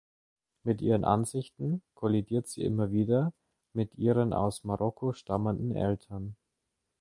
Mit ihren Ansichten kollidiert sie immer wieder mit ihren aus Marokko stammenden Eltern.